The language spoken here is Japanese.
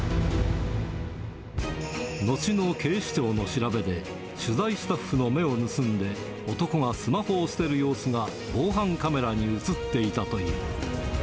後の警視庁の調べで、取材スタッフの目を盗んで、男がスマホを捨てる様子が防犯カメラに写っていたという。